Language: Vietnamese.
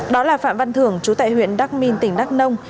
đó là phạm văn thưởng chú tệ huyện đắk minh tỉnh đắk nông